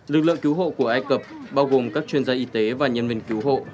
lực lượng cứu hộ của ai cập bao gồm các chuyên gia y tế và nhân viên cứu hộ